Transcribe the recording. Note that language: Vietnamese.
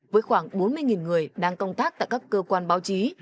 với khoảng bốn mươi người đang công tác tại các cơ quan báo chí